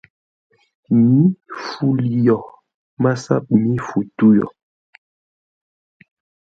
Mǐ fu li yo! MASAP mí fu tû yo.